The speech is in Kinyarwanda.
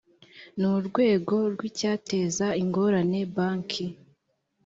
n urwego rw icyateza ingorane banki